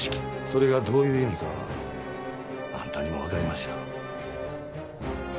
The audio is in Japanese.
それがどういう意味かはあんたにもわかりますやろ？